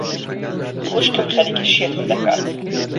خوشکم خەریکە شێتم دەکات.